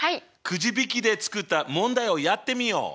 くじ引きで作った問題をやってみよう！